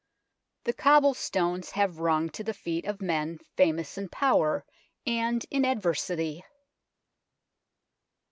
The cobble stones have rung to the feet of men famous in power and in adversity.